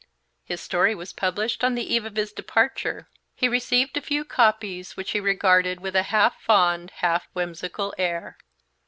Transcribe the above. His story was published on the eve of his departure. He received a few copies, which he regarded with a half fond, half whimsical air.